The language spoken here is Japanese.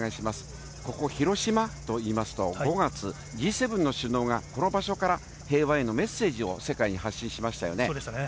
ここ、広島といいますと、５月、Ｇ７の首脳がこの場所から平和へのメッセージを世界に発信しましそうでしたね。